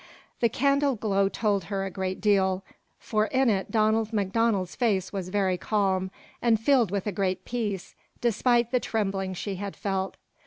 The candleglow told her a great deal, for in it Donald MacDonald's face was very calm, and filled with a great peace, despite the trembling she had felt.